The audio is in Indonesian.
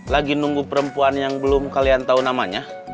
lagi nunggu perempuan yang belum kalian tahu namanya